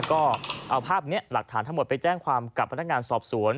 ก็เอาภาพนี้หลักฐานทั้งหมดไปแจ้งความกับพนักงานสอบสวน